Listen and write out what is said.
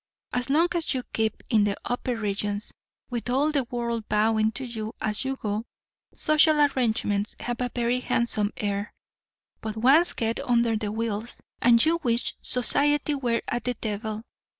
As long as you keep in the upper regions, with all the world bowing to you as you go, social arrangements have a very handsome air; but once get under the wheels, and you wish society were at the devil.